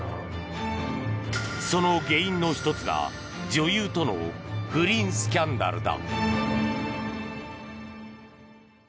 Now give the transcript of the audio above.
その原因の１つが女優との不倫スキャンダルだ。